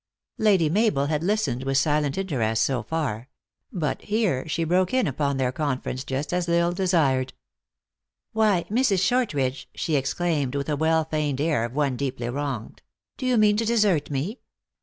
Lady Mabel had listened with silent interest so far ; but here she broke in upon their conference, just as L Isle desired. "Why, Mrs. Shortridge," she exclaimed, with a well feigned air of one deeply wronged, " do you mean to desert me?